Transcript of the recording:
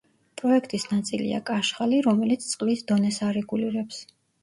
პროექტის ნაწილია კაშხალი, რომელიც წყლის დონეს არეგულირებს.